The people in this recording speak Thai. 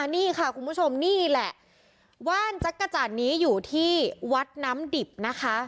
นี่ค่ะคุณผู้ชมนี่แหละว่านจักรจันทร์นี้อยู่ที่วัดน้ำดิบนะคะ